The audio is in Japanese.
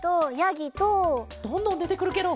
どんどんでてくるケロ。